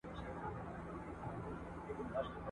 پوهېدل د ټولنیزو دندو او حقونو په اړه معلومات ورکوي.